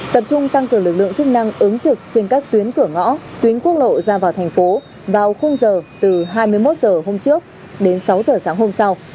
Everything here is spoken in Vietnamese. tập trung tăng cường lực lượng chức năng ứng trực trên các tuyến cửa ngõ tuyến quốc lộ ra vào thành phố vào khung giờ từ hai mươi một h hôm trước đến sáu h sáng hôm sau